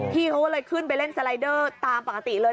พี่เขาก็เลยขึ้นไปเล่นสไลเดอร์ตามปกติเลย